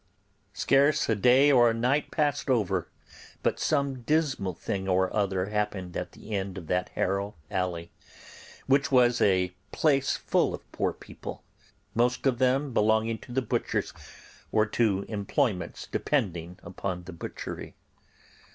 Scarce a day or night passed over but some dismal thing or other happened at the end of that Harrow Alley, which was a place full of poor people, most of them belonging to the butchers or to employments depending upon the butchery.